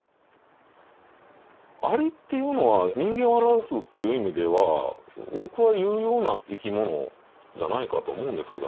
蟻っていうのは人間を表すっていう意味ではぼくは有用な生き物じゃないかと思うんですけどね。